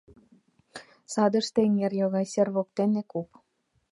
Садыште эҥер йога, сер воктене — куп.